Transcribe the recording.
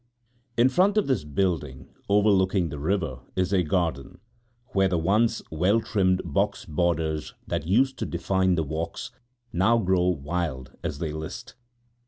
In front of this building, overlooking the river, is a garden, where the once well trimmed box borders that used to define the walks now grow wild as they list.